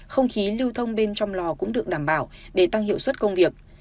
không khí lưu thông bên trong lò cũng được đảm bảo để tăng hiệu suất công việc